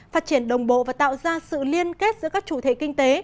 phát triển đồng bộ và tạo ra sự liên kết giữa các chủ thể kinh tế